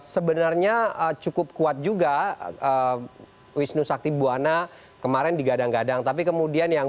sebenarnya cukup kuat juga wisnu sakti buwana kemarin digadang gadang tapi kemudian yang